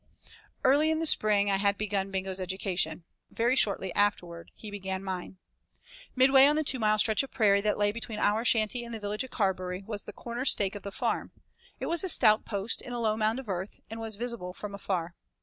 IV Early in the spring I had begun Bingo's education. Very shortly afterward he began mine. Midway on the two mile stretch of prairie that lay between our shanty and the village of Carberry, was the corner stake of the farm; it was a stout post in a low mound of earth, and was visible from afar.